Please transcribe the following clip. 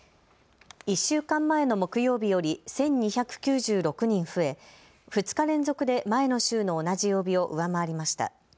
１週間前の木曜日より１２９６人増え、２日連続で前の週の同じ曜日を上回りました。